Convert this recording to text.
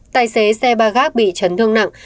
tài xế xe ba gác bị trấn thương nặng